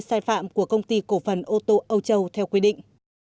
sai phạm của công ty cổ phần ô tô âu châu theo quy định